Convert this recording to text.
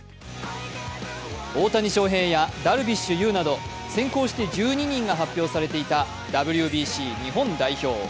大谷翔平やダルビッシュ有など先行して１２人が発表されていたＷＢＣ日本代表。